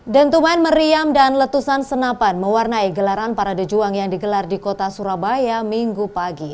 dentuman meriam dan letusan senapan mewarnai gelaran para de juang yang digelar di kota surabaya minggu pagi